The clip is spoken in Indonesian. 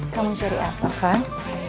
kamu cari apa pat